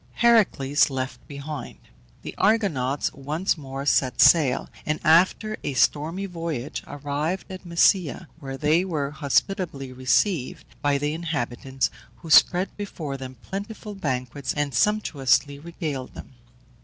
HERACLES LEFT BEHIND. The Argonauts once more set sail, and after a stormy voyage arrived at Mysia, where they were hospitably received by the inhabitants, who spread before them plentiful banquets and sumptuously regaled them.